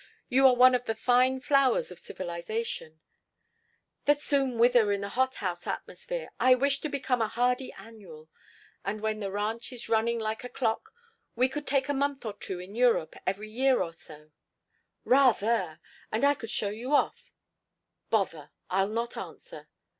You are one of the fine flowers of civilization " "That soon wither in the hothouse atmosphere. I wish to become a hardy annual. And when the ranch was running like a clock we could take a month or two in Europe every year or so " "Rather! And I could show you off Bother! I'll not answer."